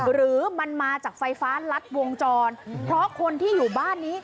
หรือมันมาจากไฟฟ้ารัดวงจรเพราะคนที่อยู่บ้านนี้